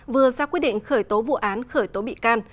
vừa ra quyết định khởi tố vụ án khởi tố bị can